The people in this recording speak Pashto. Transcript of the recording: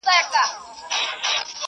یو د بل په وینو پايي او پړسېږي.!